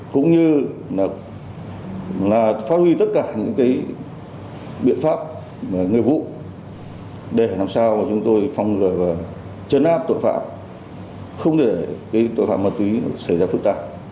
cũng như phát huy tất cả những biện pháp nguyên vụ để làm sao chúng tôi chấn áp tội phạm không để tội phạm ma túy xảy ra phức tạp